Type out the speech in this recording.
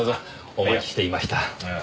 お待ちしていました。